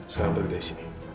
sekarang pergi dari sini